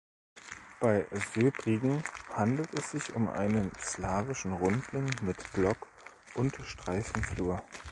Bei Söbrigen handelt es sich um einen slawischen Rundling mit Block- und Streifenflur.